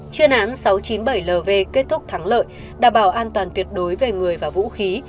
chuyên án sáu trăm chín mươi bảy lv kết thúc thắng lợi đảm bảo an toàn tuyệt đối về người và vũ khí